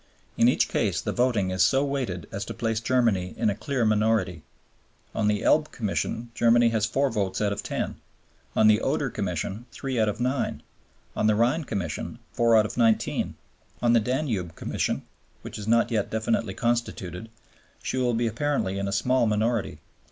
In each case the voting is so weighted as to place Germany in a clear minority. On the Elbe Commission Germany has four votes out of ten; on the Oder Commission three out of nine; on the Rhine Commission four out of nineteen; on the Danube Commission, which is not yet definitely constituted, she will be apparently in a small minority.